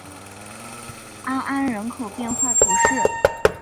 阿安人口变化图示